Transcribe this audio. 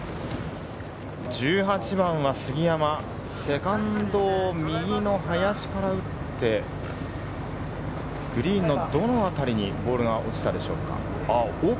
１８番は杉山、セカンドを右の林から打って、グリーンのどの辺りにボールが落ちたでしょうか？